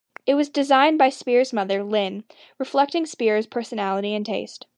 It was designed by Spears's mother, Lynne, reflecting Spears's personality and taste.